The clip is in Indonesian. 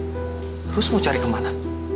terus mau cari kemana